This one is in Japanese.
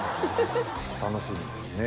楽しみですね。